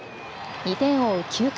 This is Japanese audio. ２点を追う９回。